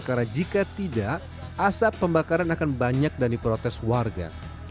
karena jika tidak asap pembakaran akan banyak dan diprotes warga